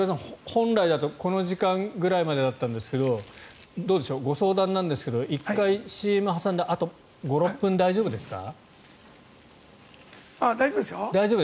本来だとこのぐらいの時間までだったんですがどうでしょう、ご相談なんですが１回ＣＭを挟んで５６分大丈夫ですか？